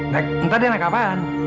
nek entar dia naik kapan